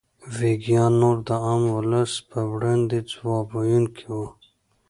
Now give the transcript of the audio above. ویګیان نور د عام ولس په وړاندې ځواب ویونکي وو.